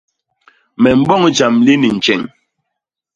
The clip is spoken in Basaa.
Me mboñ jam li ni tjeñ.